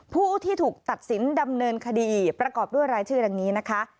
ผู้ที่ถูกตัดสินดำเนินคดีประกอบด้วยรายชื่อดังนี้นะคะ